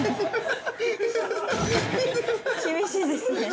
◆厳しいですね。